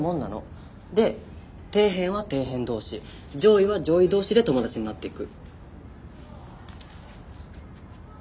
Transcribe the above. で底辺は底辺同士上位は上位同士で友達になっていく。